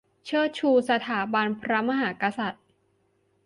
เชิดชูสถาบันพระมหากษัตริย์